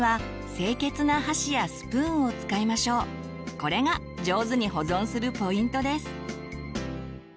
これが上手に保存するポイントです。